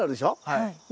はい。